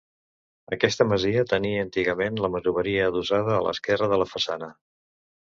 Aquesta masia tenia antigament la masoveria adossada a l'esquerra de la façana.